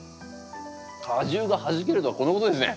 果汁がはじけるとはこのことですね。